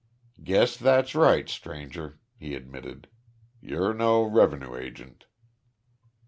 "Guess that's right, stranger," he admitted. "You're no rev'nue agent."